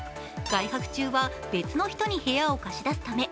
外泊中は別の人に部屋を貸し出すため